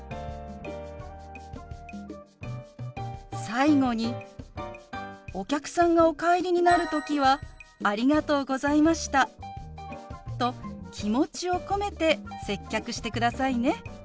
最後にお客さんがお帰りになる時は「ありがとうございました」と気持ちを込めて接客してくださいね。